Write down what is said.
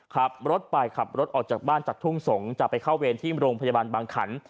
ขับรถไปขับรถออกจากบ้านจากทุ่งสงศ์จะไปเข้าเวรที่โรงพยาบาลบางขัน